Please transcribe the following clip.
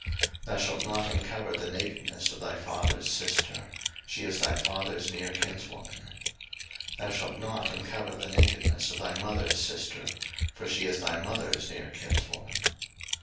03:018:012 Thou shalt not uncover the nakedness of thy father's sister: she is thy father's near kinswoman. 03:018:013 Thou shalt not uncover the nakedness of thy mother's sister: for she is thy mother's near kinswoman.